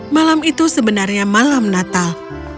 malam itu sebenarnya malam natal